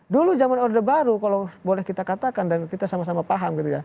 dulu zaman orde baru kalau boleh kita katakan dan kita sama sama paham gitu ya